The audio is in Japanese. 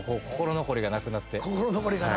心残りがなくなって。